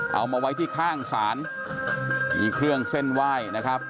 เอามาไว้ที่ข้างศาลมีเครื่องเส้นไหว้นะครับ